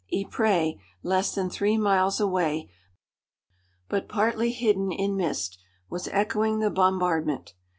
Ypres, less than three miles away, but partly hidden in mist, was echoing the bombardment.